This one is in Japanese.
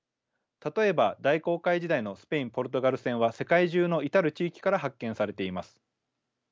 例えば大航海時代のスペイン・ポルトガル船は世界中の至る地域から発見されています。